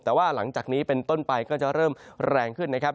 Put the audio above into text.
แต่ว่าหลังจากนี้เป็นต้นไปก็จะเริ่มแรงขึ้นนะครับ